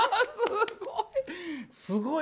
すごい。